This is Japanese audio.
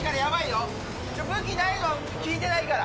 武器ないの、聞いてないから。